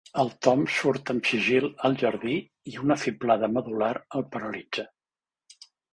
El Tom surt amb sigil al jardí i una fiblada medul·lar el paralitza.